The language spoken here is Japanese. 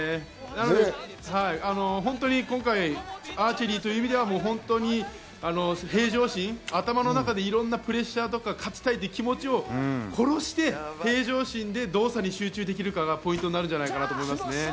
今回、アーチェリーという意味では平常心、頭の中でいろんなプレッシャーや、勝ちたい気持ちを殺して平常心で動作に集中できるかがポイントになるんじゃないですかね。